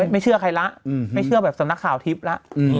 ไม่เชื่อใครแล้วไม่เชื่อสนัขข่าวทิศแล้ว